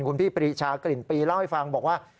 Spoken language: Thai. คุณพี่ปรีชากลิ่นปีเล่าให้ฟังบอกว่า